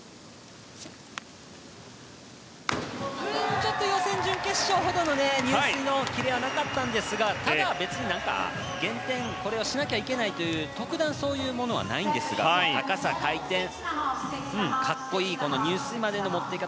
ちょっと予選、準決勝ほどの入水のキレはなかったんですがただ、別に減点しなきゃいけないという特段、そういうものはないんですが高さ、回転と格好いい入水までの持っていき方。